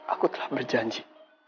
aku telah berjanji